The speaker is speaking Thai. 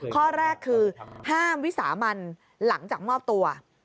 ข้อแรกคือห้ามวิสามันหลังจากมอบตัว